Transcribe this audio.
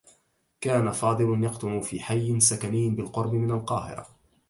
كان فاضل يقطن في حيّ سكني بالقرب من القاهرة.